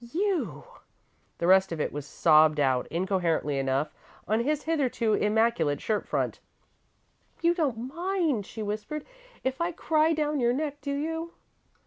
You " The rest of it was sobbed out, incoherently enough, on his hitherto immaculate shirt front. "You don't mind," she whispered, "if I cry down your neck, do you?"